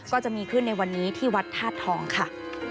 ก็จะมีขึ้นในวันนี้ที่วัดธาตุทองค่ะ